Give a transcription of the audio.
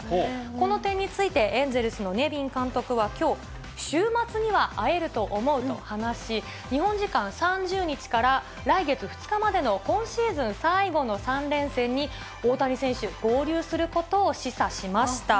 この点について、エンゼルスのネビン監督は、きょう、週末には会えると思うと話し、日本時間３０日から来月２日までの今シーズン最後の３連戦に、大谷選手、合流することを示唆しました。